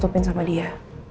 ditutupin sama dia